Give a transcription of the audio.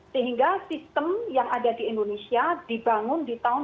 sehingga sistem yang ada di indonesia dibangun di tahun dua ribu